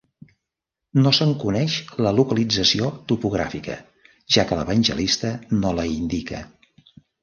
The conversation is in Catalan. No se'n coneix la localització topogràfica, ja que l'evangelista no la indica.